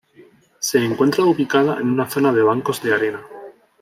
Se encuentra ubicada en una zona de bancos de arena.